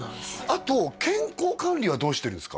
あと健康管理はどうしてるんですか？